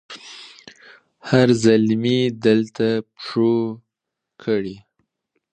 هر زلمي دلته پښو کړي